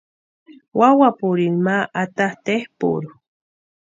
Wawapurini ma atasti epʼurhu.